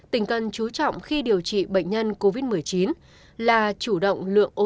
tỉnh cần chú trọng khi điều trị bệnh nhân covid một mươi chín là chủ động lượng